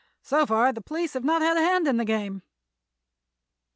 So far the police have not had a hand in the game."